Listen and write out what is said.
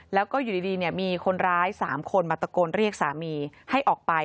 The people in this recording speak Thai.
แล้วก็อยู่ดีมีคนร้าย๓คนมาตะโกนเรียกสามีให้ออกไป